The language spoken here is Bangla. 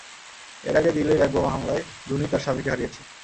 এর আগে দিল্লির এক বোমা হামলায় জুনি তার স্বামী কে হারিয়েছে।